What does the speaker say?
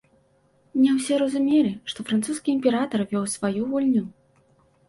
Не ўсе разумелі, што французскі імператар вёў сваю гульню.